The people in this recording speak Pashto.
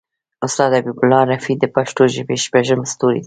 استاد حبیب الله رفیع د پښتو ژبې شپږم ستوری دی.